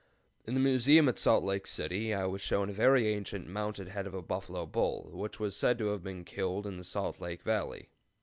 In the museum at Salt Lake City I was shown a very ancient mounted head of a buffalo bull which was said to have been killed in the Salt Lake Valley.